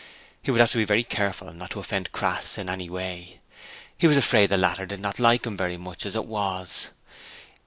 He would have to be very careful not to offend Crass in any way. He was afraid the latter did not like him very much as it was.